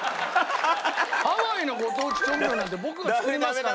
ハワイのご当地調味料なんて僕が作りますから。